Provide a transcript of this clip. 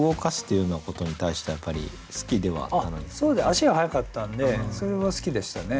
足が速かったんでそれは好きでしたね。